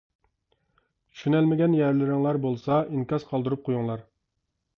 چۈشىنەلمىگەن يەرلىرىڭلار بولسا ئىنكاس قالدۇرۇپ قۇيۇڭلار.